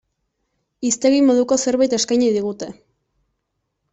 Hiztegi moduko zerbait eskaini digute.